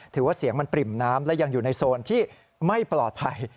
ถือว่าเสียงมันปริ่มน้ำและยังอยู่ในโซนที่ไม่ปลอดภัย